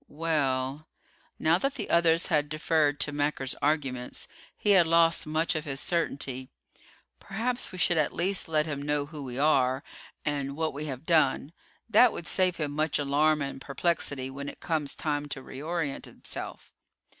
"Well ..." Now that the others had deferred to Macker's arguments, he had lost much of his certainty. "Perhaps we should at least let him know who we are, and what we have done. That would save him much alarm and perplexity when it comes time to reorient himself.